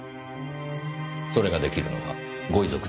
それができるのはご遺族だけです。